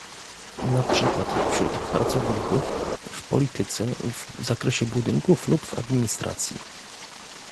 na przykład wśród pracowników, w polityce w zakresie budynków lub w administracji